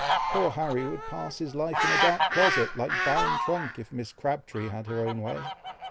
Poor Harry would pass his life in a dark closet, like Baron Trenck, if Mrs. Crabtree had her own way!"